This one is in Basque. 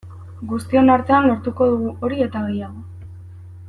Guztion artean lortuko dugu hori eta gehiago.